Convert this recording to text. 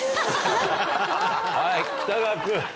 はい北川君。